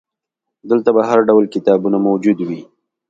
دلته به هرډول کتابونه موجود وي.